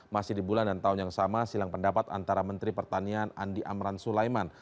masih di bulan dan tahun yang sama silang pendapat antara menteri pertanian andi amran sulaiman